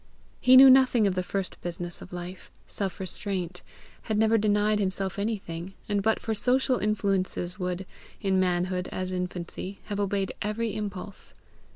He knew nothing of the first business of life self restraint, had never denied himself anything, and but for social influences would, in manhood as infancy, have obeyed every impulse.